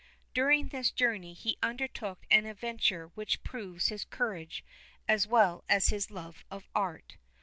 During this journey he undertook an adventure which proves his courage as well as his love of art.